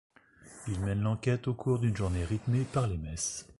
Ils mènent l'enquête au cours d'une journée rythmée par les messes.